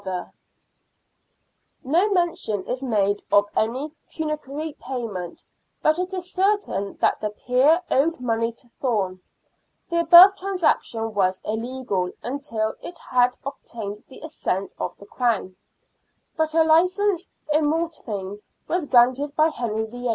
ST. BARTHOLOMEW'S HOSPITAL ACQUIRED. 43 No mention is made of any pecuniary payment, but it is certain that the peer owed money to Thome. The above transaction was illegal until it had obtained the assent of the Crown, but a licence in mortmain was granted by Henry VIII.